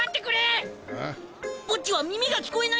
ボッジは耳が聞こえないんだ。